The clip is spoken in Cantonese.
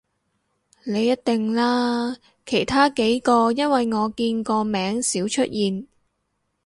你一定啦，其他幾個因爲我見個名少出現